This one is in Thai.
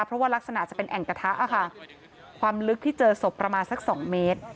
เพราะว่ารักษณะจะเป็นแอ่งกระทะค่ะความลึกที่เจอศพประมาณสัก๒เมตร